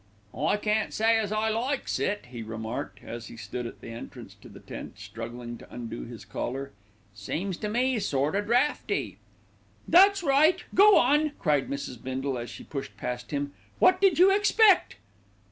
"I can't say as I likes it," he remarked, as he stood at the entrance to the tent, struggling to undo his collar. "Seems to me sort o' draughty." "That's right, go on," cried Mrs. Bindle, as she pushed past him. "What did you expect?"